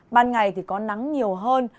ban ngày có nắng nhiều hơn